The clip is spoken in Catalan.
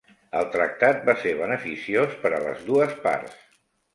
El tractat va ser beneficiós per a les dues parts.